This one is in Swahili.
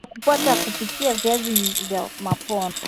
Hatua za kufuata kupika viazi vya mapondo